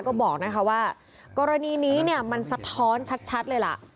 ก็บอกนะคะว่ากรณีนี้เนี่ยมันสะท้อนชัดเลยล่ะ